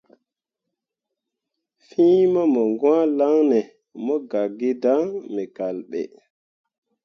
Fîi mamǝŋgwãalaŋne mo gah gi dan me kal ɓe.